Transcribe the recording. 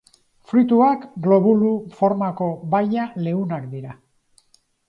Fruituak globulu formako baia leunak dira.